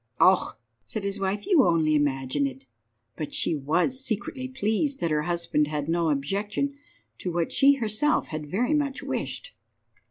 "Oh," said his wife, "you only imagine it." But she was secretly pleased that her husband had no objection to what she had herself very much wished.